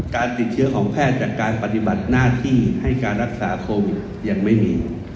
การติดเชื้อของแพทย์จากการปฏิบัติหน้าที่ให้การรักษาโควิดยังไม่มี